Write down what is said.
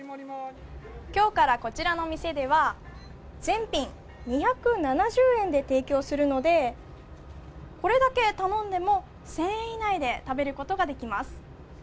今日から、こちらのお店では全品２７０円で提供するのでこれだけ頼んでも１０００円以内で食べることができます。